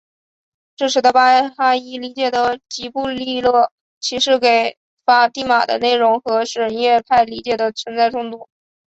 这使得巴哈伊理解的吉卜利勒启示给法蒂玛的内容和什叶派理解的存在冲突。